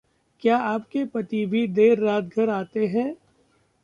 क्या आपके पति भी देर रात घर आते हैं...?